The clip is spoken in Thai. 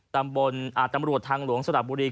ตำรวจทางหลวงสลับบุรี